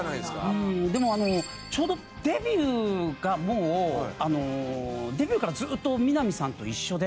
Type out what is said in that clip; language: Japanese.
うーんでもあのちょうどデビューがもうデビューからずっとみなみさんと一緒で。